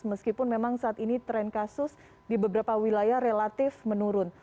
meskipun memang saat ini tren kasus di beberapa wilayah relatif menurun